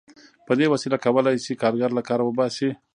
په دې وسیله کولای شي کارګر له کاره وباسي